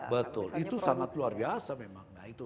betul itu sangat luar biasa memang